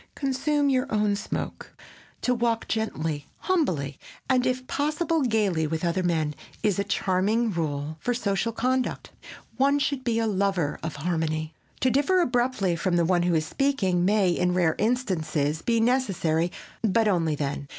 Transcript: "Consume your own smoke." "To walk gently, humbly, and, if possible, gaily with other men" is a charming rule for social conduct. One should be a lover of harmony. To differ abruptly from the one who is speaking may, in rare instances, be necessary, but only then.